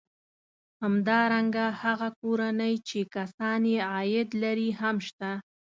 همدارنګه هغه کورنۍ چې کسان یې عاید لري هم شته